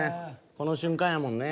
この瞬間やもんね。